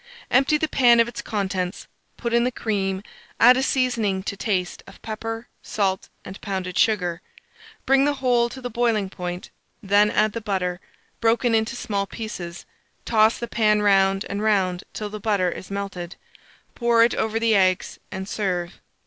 Empty the pan of its contents, put in the cream, add a seasoning to taste of pepper, salt, and pounded sugar; bring the whole to the boiling point; then add the butter, broken into small pieces; toss the pan round and round till the butter is melted; pour it over the eggs, and serve.